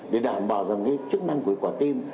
để đảm bảo rằng cái chức năng của quả tim